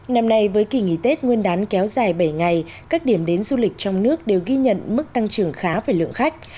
năm nay với kỳ nghỉ tết nguyên đán kéo dài bảy ngày các điểm đến du lịch trong nước đều ghi nhận mức tăng trưởng khá về lượng khách